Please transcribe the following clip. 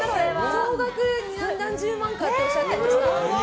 総額何十万かっておっしゃっていました。